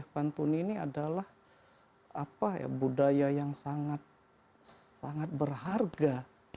pantuni ini adalah budaya yang sangat berharga